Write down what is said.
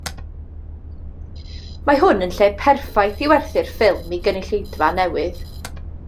Mae hwn yn lle perffaith i werthu'r ffilm i gynulleidfa newydd